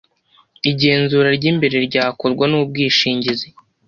igenzura ry’imbere ryakorwa n’umwishingizi